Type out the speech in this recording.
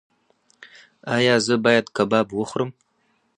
ایا زه باید کباب وخورم؟